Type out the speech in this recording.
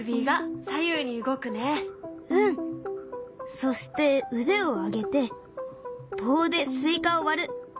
そして腕を上げて棒でスイカを割る。